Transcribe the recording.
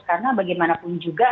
karena bagaimanapun juga